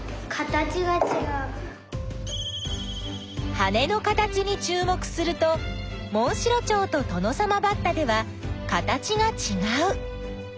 羽の形にちゅう目するとモンシロチョウとトノサマバッタでは形がちがう。